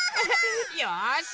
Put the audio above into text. よし！